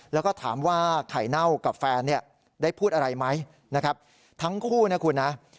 แล้วก็ถามว่าไข่เน่ากับแฟนได้พูดอะไรไหมนะครับ